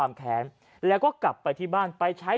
ชาวบ้านญาติโปรดแค้นไปดูภาพบรรยากาศขณะ